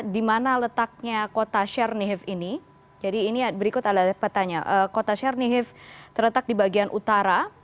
dimana letaknya kota chernihiv ini jadi ini berikut adalah petanya kota chernihiv terletak di bagian utara